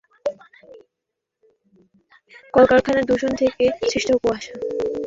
কলকারখানার দূষণ থেকে সৃষ্ট কুয়াশা!